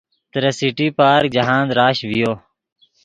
ترے سٹی پارک جاہند رش ڤیو